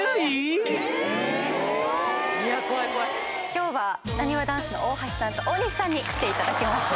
今日はなにわ男子の大橋さんと大西さんに来ていただきました。